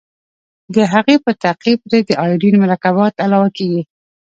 د هغې په تعقیب پرې د ایوډین مرکبات علاوه کیږي.